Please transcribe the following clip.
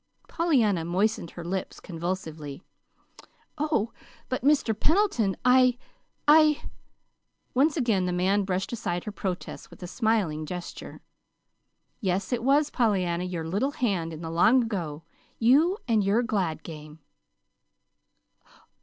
Pollyanna moistened her lips convulsively. "Oh, but Mr. Pendleton, I I " Once again the man brushed aside her protests with a smiling gesture. "Yes, it was, Pollyanna, your little hand in the long ago you, and your glad game."